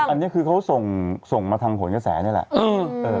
อันนี้คือเขาส่งมาทางขนกระแสนี่แหละ